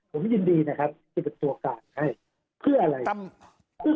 ผมยินดีนะคับซึ่งเหตุโอกาสไงเพื่ออะไร